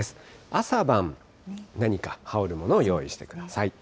朝晩、何か羽織るものを用意してください。